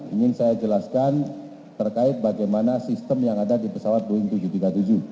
ingin saya jelaskan terkait bagaimana sistem yang ada di pesawat boeing tujuh ratus tiga puluh tujuh